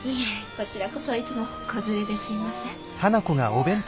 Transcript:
こちらこそいつも子連れですいません。